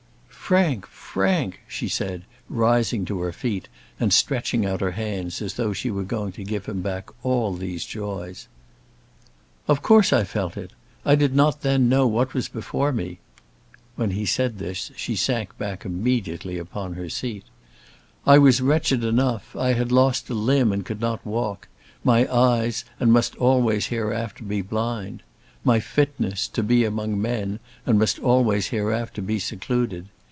"Frank, Frank!" she said, rising to her feet, and stretching out her hands as though she were going to give him back all these joys. "Of course I felt it. I did not then know what was before me." When he said this she sank back immediately upon her seat. "I was wretched enough. I had lost a limb and could not walk; my eyes, and must always hereafter be blind; my fitness to be among men, and must always hereafter be secluded.